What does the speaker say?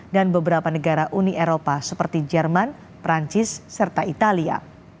dan beberapa negara uni eropa seperti jerman perancis serta italia